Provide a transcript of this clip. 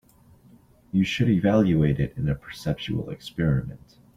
You should evaluate it in a perceptual experiment.